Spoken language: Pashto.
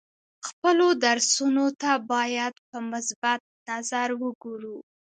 خپلو درسونو ته باید په مثبت نظر وګورو.